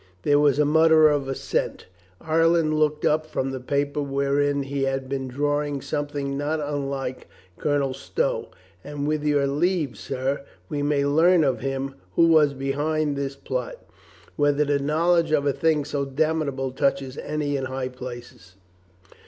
There was a mutter of assent. Ireton looked up from the paper whereon he had been drawing some thing not unlike Colonel Stow. "And with your leave, sir, we may learn of him who was behind this plot ; whether the knowledge of a thing so damnable touches any in high places."